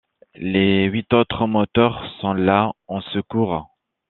Les huit autres moteurs sont là en secours.